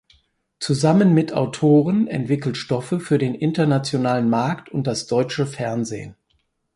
Zusammen mit Autoren entwickelt Stoffe für den internationalen Markt und das deutsche Fernsehen.